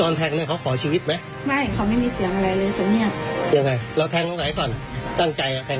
แล้วหนูก็นั่งคอมแม่กวาดแม่อยู่แล้วหนูก็แบบว่าแม่ไม่ใครรักเราเนอะ